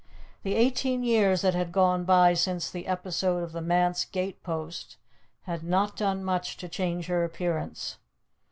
The eighteen years that had gone by since the episode of the manse gate post had not done much to change her appearance.